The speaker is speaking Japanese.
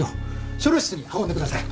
初療室に運んでください。